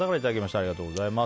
ありがとうございます。